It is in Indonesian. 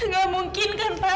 gak mungkin kan pak